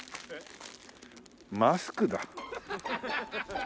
マスクだ。